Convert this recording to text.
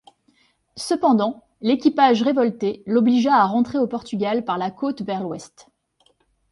Cependant, l'équipage révolté l'obligea à rentrer au Portugal par la côte vers l'ouest.